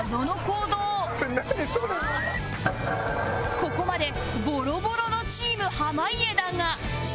ここまでボロボロのチーム濱家だが